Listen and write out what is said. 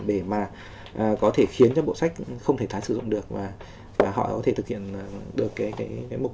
để khiến cho bộ sách không thể tái sử dụng được và họ có thể thực hiện được mục đích thương mại của mình